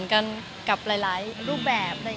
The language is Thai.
มีปิดฟงปิดไฟแล้วถือเค้กขึ้นมา